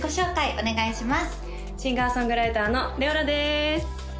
お願いします